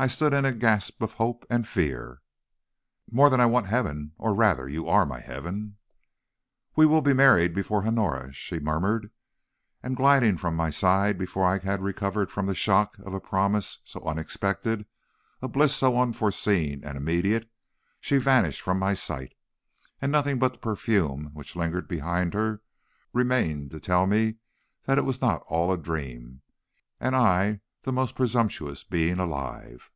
I stood in a gasp of hope and fear. "'More than I want heaven! Or, rather, you are my heaven.' "'We will be married before Honora,' she murmured. And gliding from my side before I had recovered from the shock of a promise so unexpected, a bliss so unforeseen and immediate, she vanished from my sight, and nothing but the perfume which lingered behind her remained to tell me that it was not all a dream, and I the most presumptuous being alive.